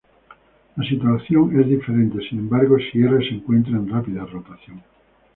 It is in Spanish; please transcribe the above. La situación es diferente, sin embargo, si "R" se encuentra en rápida rotación.